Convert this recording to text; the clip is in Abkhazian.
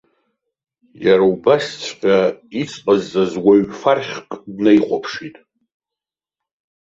Иара убасҵәҟьа иҵҟаҟааз уаҩ фархьк днаихәаԥшит.